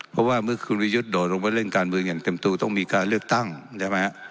เพราะว่าเมื่อคุณวิยุทธ์โดดลงไปเล่นการเมืองอย่างเต็มตัวต้องมีการเลือกตั้งใช่ไหมฮะ